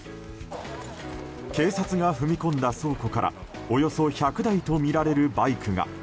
警察が踏み込んだ倉庫からおよそ１００台とみられるバイクが。